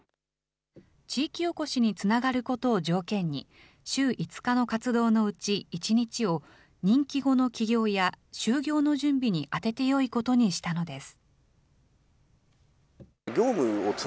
地域おこしにつながることを条件に、週５日の活動のうち１日を、任期後の起業や就業の準備に充ててよいことにしたのです。